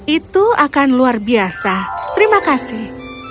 itu akan luar biasa terima kasih